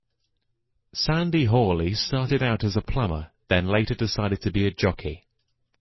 Sandy Hawley started out as a plumber then later decided to be a jockey.